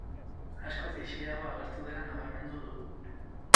Askoz ixilago agertu dela nabarmendu du.